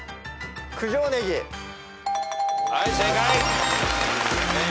はい正解。